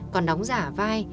còn đóng giả vai